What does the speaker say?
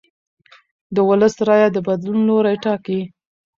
د ولس رایه د بدلون لوری ټاکي